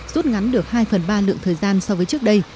rút ngắn được hai phần ba lượng thời gian so với trước đây